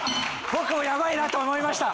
僕もヤバいなと思いました。